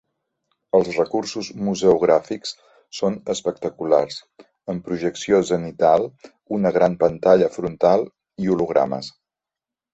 Els recursos museogràfics són espectaculars, amb projecció zenital, una gran pantalla frontal i hologrames.